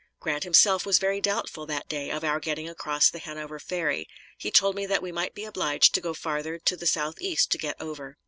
Grant himself was very doubtful that day of our getting across the Hanover Ferry; he told me that we might be obliged to go farther to the southeast to get over.